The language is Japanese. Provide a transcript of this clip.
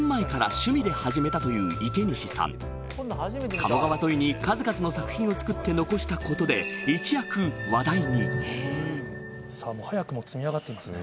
鴨川沿いに数々の作品を作って残したことで一躍話題に早くも積み上がってますね。